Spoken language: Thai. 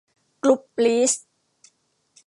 กรุ๊ปลีส